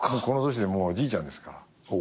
この年でもうおじいちゃんですから。